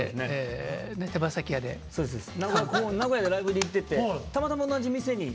名古屋でライブに行っててたまたま同じ店に。